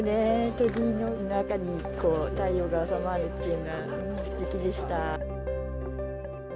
鳥居の中にこう、太陽が納まるっていうのはすてきでした。